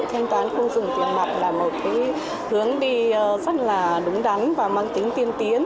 hướng đi rất là đúng đắn và mang tính tiên tiến